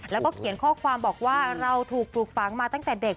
แล้วก็เขียนข้อความบอกว่าเราถูกปลูกฝังมาตั้งแต่เด็ก